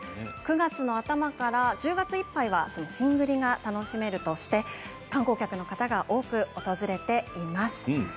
９月の頭から１０月いっぱいが新栗が楽しめるとして観光客の方が多く訪れています。